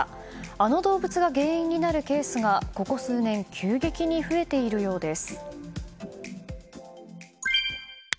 あの動物が原因になるケースがここ数年急激に増えているようです。